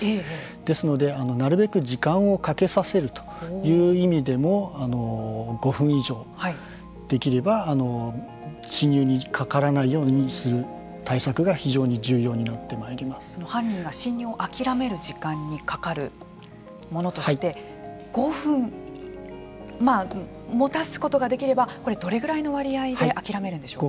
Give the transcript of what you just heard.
ですのでなるべく時間をかけさせるという意味でも、５分以上できれば侵入にかからないようにする対策が非常に重要になって犯人が侵入を諦める時間にかかるものとして５分もたすことができればこれはどれくらいの割合で諦めるんでしょうか。